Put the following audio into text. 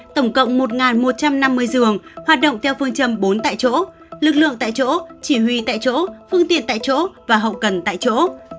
đoàn một trăm năm mươi giường hoạt động theo phương châm bốn tại chỗ lực lượng tại chỗ chỉ huy tại chỗ phương tiện tại chỗ và học cần tại chỗ